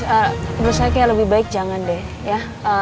menurut saya kayak lebih baik jangan deh ya